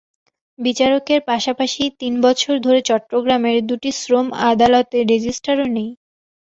বিচারকের পাশাপাশি তিন বছর ধরে চট্টগ্রামের দুটি শ্রম আদালতে রেজিস্ট্রারও নেই।